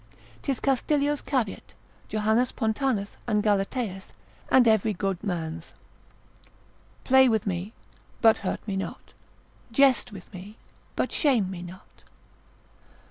'Tis Castilio's caveat, Jo. Pontanus, and Galateus, and every good man's. Play with me, but hurt me not: Jest with me, but shame me not.